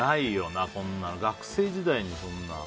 学生時代に、そんな。